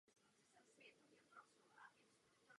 Věnujeme se vysvětlení hlasování o změně rozpočtu.